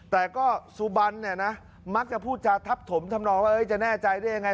แต่ซูบันบาคจะพูดทับถมแล้วทำนองว่าจะแน่ใจเป็นยังไง